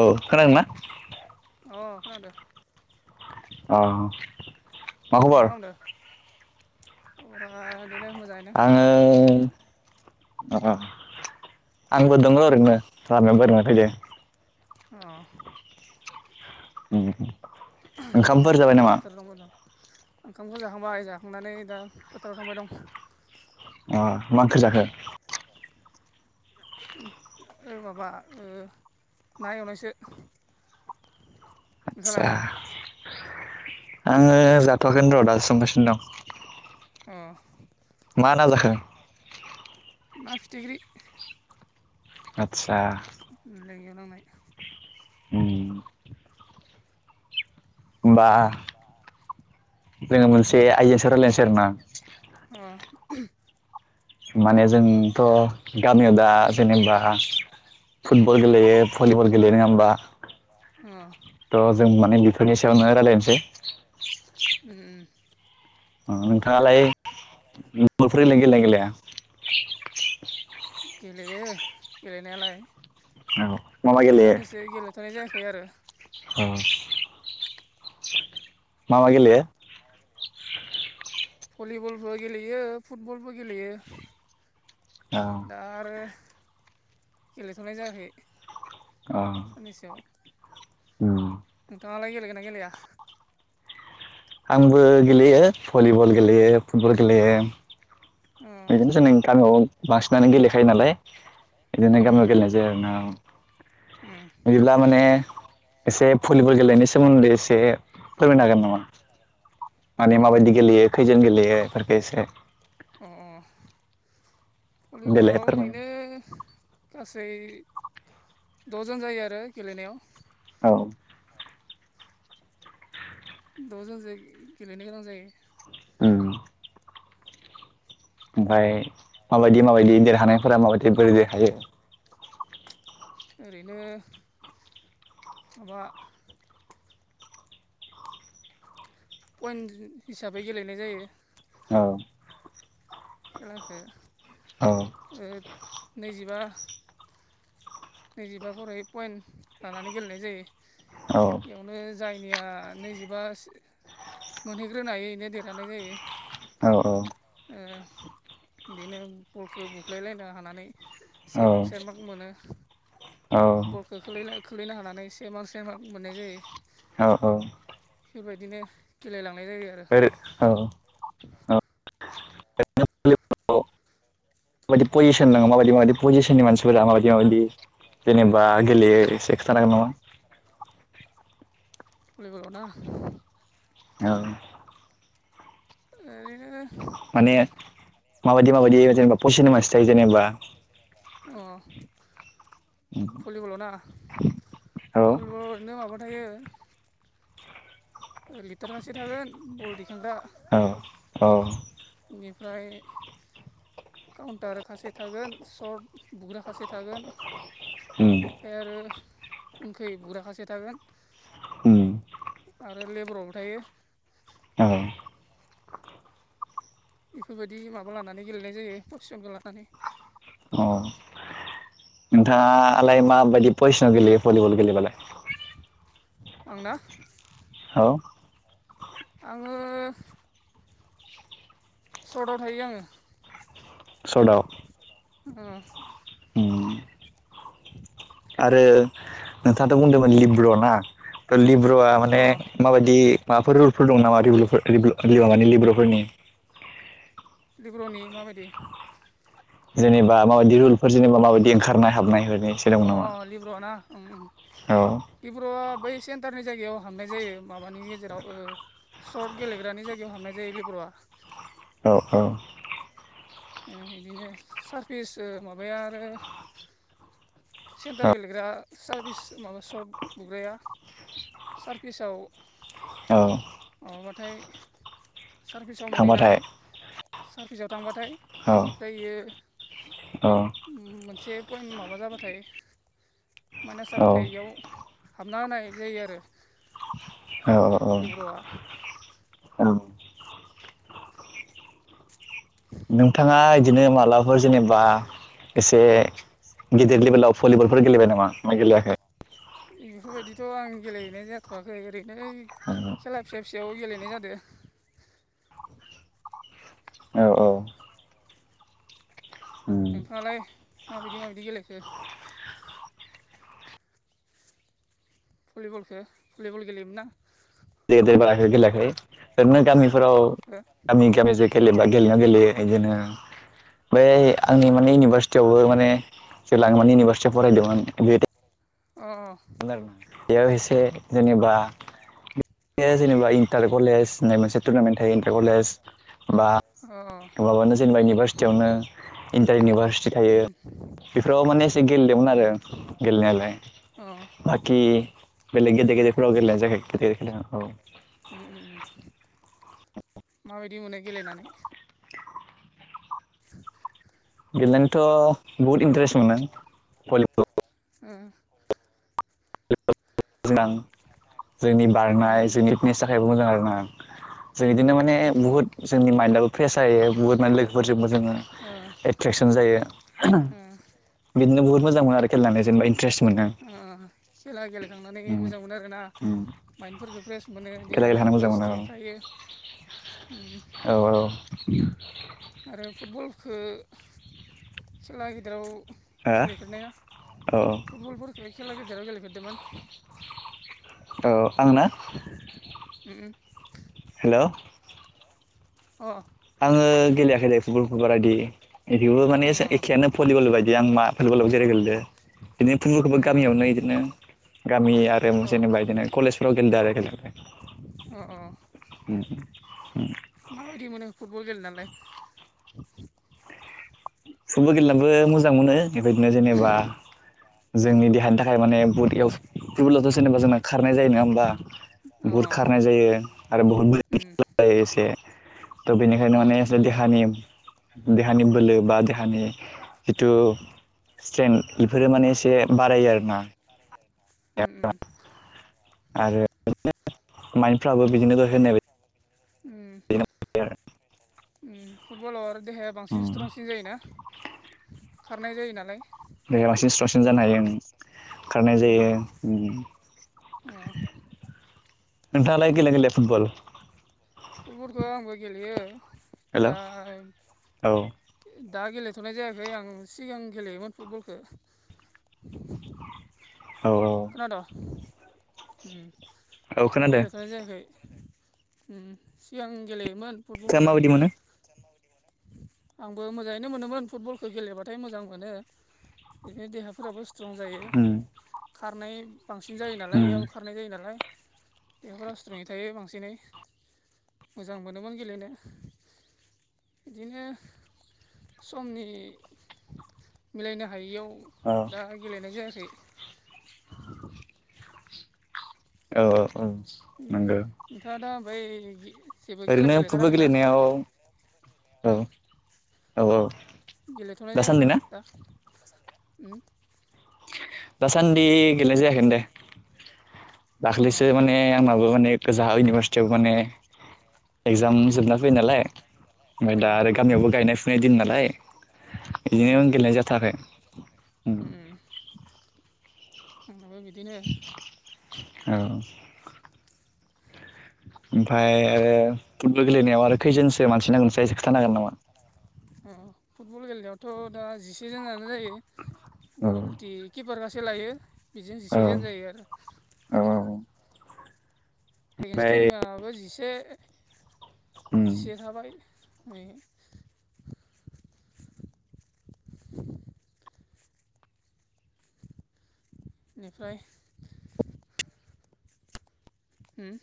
[inaudible] औ खोनादोंना? अ खोनादों। अ। मा खालामदों? खबरा बिदिनो मोजाङैनो। आङो अ आंबो दंङो ओरैनो लामायाव बेरायनो फैदों। अ उम ओंखामफोर जाबाय आंबो नामा फोथाराव थांबाय दं ओंखामखौ जाखांबाय जाखांनानै दा फोथाराव थांबाय दं। अ मा ओंख्रै जाखो? [unintelligible] [unintelligible] ओ माबा ओ ना एवनायसो। नोंसालाय आदसा। आंङो जाथआखैनो र' दासो संगासिनो दं। ओ मा ना जाखो? ना फिथिख्रि। आदसा। लांयिआव नांनाय। उम होनबा बेलेग मोनसे आइदानि सायाव रायलायनोसै आरो ना। ओ माने जोंथ' गामियाव दा जेनेबा फुटबल गेलेयो, भलिबल गेलेयो नङा होमबा? ओ थ' जों माने बेफोरनि सायावनो रायज्लायनोसै। उम अ नोंथांङालाय फुदबलफोरलाय गेले गेलाया? गेलेयो गेलेनायालाय। औ मा मा दासान्नैसो गेलेथ'नाय जायाखै आरो। ओ मा मा गेलेयो? भलिबलबो गेलेयो फुटबलबो गेलेयो। औ दा आरो गेलेथ'नाय जायाखै। अ साननैसोआव उम नोंथांङालाय गेलेगोन्ना गेलेया? आंबो गेलेयो भलिबल गेलेयो फुटबल गेलेयो। अ बिदिनोसै नोंथां औ बांसिनानो गेलेखायो नालाय। बिदिनो उम गामियाव गेलेनाय जायो आरो ना। उम बिदिब्ला माने एसे भलिबल गेलेनायनि सोमोन्दै एसे फोरमायनो हागोन नामा? अ माने माबायदि गेलेयो खैजोन गेलेयो बेफोरखौ एसे। अ देलाय भलिबलाव फोरमाय ओरैनो गासै द'जन जायो आरो गेलेनायाव। औ द'जनजों गेलेनो गोनां जायो। ओ ओमफ्राय माबायदि माबायदि देरहानायफोरा माबायदि बोरैजाय थायो। ओरैनो माबा पइन्ट हिसाबै गेलेनाय जायो। औ खेलाखो औ ओ नैजिबा नैजिबा खरै पइन्ट लानानै गेलेनाय जायो। औ बेयावनो जायनिया नैजिबा मोनहैग्रोनो हायो बेनो देरहानाय जायो। औ इदिनो बलखो बुख्लायलायनो हानानै से औ मार्क सेेर मार्क मोनो। औ बलखो खोलैलाय खोलैनो हानानै से मार्क से मार्क मोननाय जायो। औ फोरबायदिनो गेलेलांनाय जायो आरो ओरै औ औ बायदि पजिसन दोङो माबायदि-माबायदि पजिसननि मानसिफोरा माबायदि-माबायदि जेनेबा गेलेयो से खोथानो हागोन नामा भलिबलाव ना औ ओरैनो माने माबायदि-माबायदि जेनेबा पजिसननि मासि अ भलिबलाव ना औ भलिबलाव ओरैनो माबा थायो ओ लिटार खासे थागोन बल दिखांग्रा औ औ इनिफ्राय काउन्टार खासे थागोन सर्ट बुग्रा खासे थागोन उम ओमफाय आरो उनखै बुग्रा खासे थागोन उम आरो लेबारावबो थायो औ इफोरबायदि माबा लानानै गेलेनाय जायो पसिसनखौ लानानै औ नोंथाङालाय माबायदि पयसनाव गेलेयो भलिबल गेलेबालाय आंना औ आङो सर्टआव थायो आङो। सदाव [unintelligible] उम आरो नोंथाङाथ' बुंदोंमोन लिब्र' ना थ' लिब्र'आ अ माने माबायदि माफोर रुलफोर दं नामा [unintelligible] माबानि लेब्र'फोरनि लेब्र'नि माबायदि जेनेबा माबायदि रुलफोर जेनेबा माबायदि ओंखारनाय हाबनाय ओरैनो एसे दं नामा लिब्र'आ ना उम औ लिब्र'आ बै सेन्टारनि जायगायाव हाबनाय जायो माबानि गेजेराव ओ सर्ट गेलेग्रानि जायगायाव हाबनाय जायो लिब्र'आ। औ औ ओ इदिनो सारफिस ओ माबाया आरो सेन्टार औ गेलेग्रा सारभिस माबा सर्ट बुग्राया सारफिसाव औ माबाबाथाय सारभिसाव थांबाथाय मोनैनानै सारभिसाव थांबाथाय औ इनिफ्राय इयो औ उम मोनसे पइन माबा जाबाथाय माइनास जाबाथाय औ इयाव हाबना होनाय जायो आरो औ औ लिब्र'आ औ नोंथाङा इदिनो मालाफोर जेनेबा एसे गिदिर लेेबेलाव भलिबलफोर गेलेबाय नामा ना गेलेआखै इफोरबायदिथ' आं गेलेहैनाय जाथ'वाखै ओरैनो खेला फिसा-फिसायाव गेलेनाय जादो औ औ नोंथाङालाय माबायदि माबायदि गेलेखो? भलिबलखौ भलिबल गेलेयोमोन ना? देदेरबाराखै गेलेाखै ओरैनो गामिफोराव हो गामि गामि जे गेलेबा गेलेा गेलेयो बिदिनो, बै अ आंनि माने इउनिभारसिटि थेवबोाने लाङ माने इउनिभारसिटियाव फरायदोंमोन बे अ अ। बेयाव एसे जेनेबा जेनेबा इन्टार कलेज मोनसे टुरनामेन्ट थायो इन्टार कलेज, बा ओ औ माबानो जेनेबा इउनिभारसिटियावनो इन्टार इउनिभारसिटि थायो। उम बेफोराव माने एसे गेलेदोंमोन आरो, उम गेलेनायालाय। अ। बेले गेद गेदेराव गेलेनाय जाय [unintelligible] औ उ उ उम [unintelligible] माबायदि मोनो गेलेनानै? [unintelligible] गेलेनोथ' बहुद इन्टारेस्ट मोनो, भलिबलाव [unintelligible] [unintelligible] जोंनि उम बारनाय जोंनि फिटनेस थाखायबो मोजां आरोना। जों बिदिनो माने उम उम बुहुत जोंनि माइन्दआबो फ्रेस जायो बुहुत माने लोगोफोरजोंबो जोङो ओ एट्रेकसन जायो ओ बिदिनो बहुत मोजां मोनो आरो खेलेनानै जेनेबा इन्टारेस्ट मोनो। अ अ खेला गेलेखांनानै उम मोजां मोनो आरोना। उम माइन्डफोरखौ फ्रेस मोनो खेला गेलेनो देहायाबो मोजां मोनो स्ट्रं थायो। औ औ। आरो फुटबलखौ खेला गेदेराव गेलेफेरनाया हो फुटबलफोरखौ खेला गेजेराव गेलेफेरदोंमोन। औ आंना उ उ हेल'। अ आङो गेलेयाखैल फुटबल खौ बारायदि। इबो माने अ एखेयानो भलिबल बायदि आं मा भलिबलाव जेरै उम गेलेददों। बिदिनो फुखौबो उम गामियावनो बिदिनो गामि आरो अ जेनेबा बिदिनो कलेजफोराव गेलेदों आरो गेले अ अ। [unintelligible] माबायदि मोनो फुटबल गेले नालाय? फुटबल गेलेनोबो मोजां मोनो, बेबायदिनो जेनेबा जोंनि देहानि थाखाय माने बुथवेबोलावथ' जेनेबा जोंङो खारनाय जायो नङा होमबा? अ बुहुद खारनाय जायो आरो बुहुते उम जायो एसे। त' बेनिखायनो अ माने देहानि देहानि बोलो बा दानि जिथु स्ट्रेन् बेफोरो माने एसे बारायो आरो ना। उ उ आरो [unintelligible] माइफ्राबो बिदिनो द होननाय उम [unintelligible] उम फुटबलाव आरो देहाया उम बांसिन स्ट्रंसिन जायोना? खारनाय जायो नालाय। बेेायाव बांसिन सट्रकसिन जानो हायो। खारनाय जायो उम उम अ जालाय गिला गला फुटबल फुटबलखौ आंबो गेलेयो हेल' दा औ दा गेलेथ'नाय जायाखै आं सिगां गेलेयोमोन फुटबलखौ औ औ खोनादों' औ दा खोनादों गेलेथ'ानो जायाखै सिगां गेलेयोमोन नोंथाङा फुटबलखौलाय माबायदि मोनो आंबो मोजाङैनो मोनोमोन फुटबलखौ गेलेबाथाय मोजां मोनो बिदिनो देहाफोराबो स्ट्रं जायो उम खारनाय बांसिन जायो नालाय उम बेयाव खार खनाय जायो नालाय बेहाफोरा सुद्रुङै थायो बांसिनै मोजां मोनोमोन गेलेनो बिदिनो समनि मिलायनो हायैयाव औ दा गेलेनाय जायाखै [unintelligible] औ औ औ नंगौ आ दा मफ्राय जेबो खेला ओरैनो फुटबल गेलेथाराखैनाा गेलेनायाव औ औ गेलेथ'नाय जायाखै ना दा उ दासान्दि गेले जायाखोन दे अ दाखैसो माने आंनाबो माने गोजा इउनिभारसिटियावबो माने उम एगजाम जोबना फैयो नालाय ओमफ्राय अ दा आरो गामियावबो गायनाय फुनाय दिन नालाय ायो बिदिनो गेलेनाय जाथाराखै माबो बिदिनो औ ओमफ्राय आरो फुटबल गेलेनायाव आरो खैजोनसो मानसि नांगोनसै ए खोथानो हांगोन नामा अ फुटबल गेलेनायावथ' दा जिसेजोनानो जायो औ गलटि किपार गसे लायो बेजों जिसे जेन जायो आरो औ औ एगेन्स् ओमफ्राय मयाबो जिसे उम जिसे थाबाय नै बेनिफ्राय हम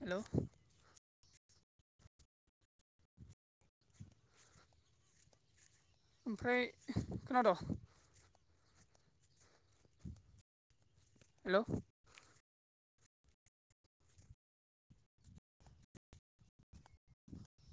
हेल' ओमफ्राय खोनादोंं हेल' [unintelligible]